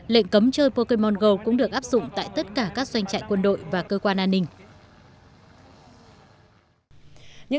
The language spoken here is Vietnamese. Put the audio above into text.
lệnh cấm chơi poke monger cũng được áp dụng tại tất cả các doanh trại quân đội và cơ quan an ninh